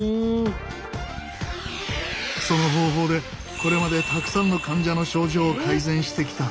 その方法でこれまでたくさんの患者の症状を改善してきた。